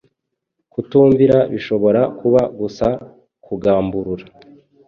Kutumvira bishobora kuba gusa kugamburura